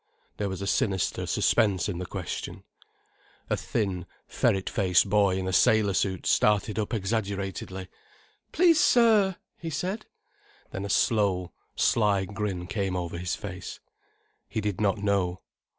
There was a sinister suspense in the question. A thin, ferret faced boy in a sailor suit started up exaggeratedly. "Please, sir!" he said. Then a slow, sly grin came over his face. He did not know.